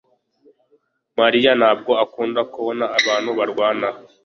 mariya ntabwo akunda kubona abantu barwana